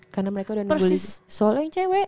karena mereka udah nunggu disoalnya yang cewek